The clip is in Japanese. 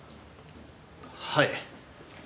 はい。